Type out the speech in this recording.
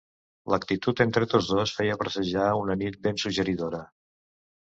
L’actitud entre tots dos feia presagiar una nit ben suggeridora...